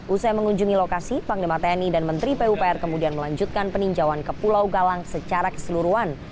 usai mengunjungi lokasi panglima tni dan menteri pupr kemudian melanjutkan peninjauan ke pulau galang secara keseluruhan